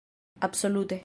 "Absolute."